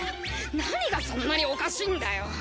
何がそんなにおかしいんだよ。